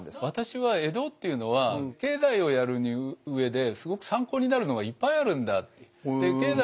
私は江戸っていうのは経済をやる上ですごく参考になるのがいっぱいあるんだっていう。